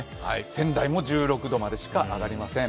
仙台も１６度までしか上がりません。